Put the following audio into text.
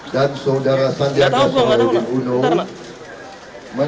jauh jauh jauh cepet yuk cepet yuk